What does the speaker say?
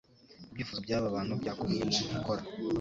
ibyifuzo by'aba bantu byakomwe mu nkokora